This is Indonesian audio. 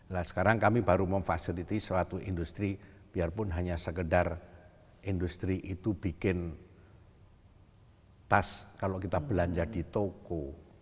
nah sekarang kami baru memfasiliti suatu industri biarpun hanya sekedar industri itu bikin tas kalau kita belanja di toko